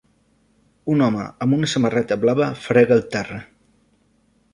Un home amb una samarreta blava frega el terra.